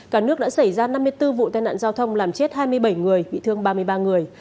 cả nước đã xảy ra năm mươi bốn vụ tai nạn giao thông làm chết hai mươi bảy người bị thương ba mươi ba người